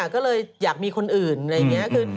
ก็เลยอยากมีคนอื่นอะไรอย่างนี้